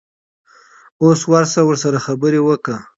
اوس ورشه ورسره خبرې وکړه.